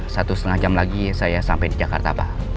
satu setengah jam lagi saya sampai di jakarta pak